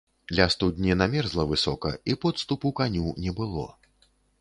Ля студні намерзла высока, і подступу каню не было.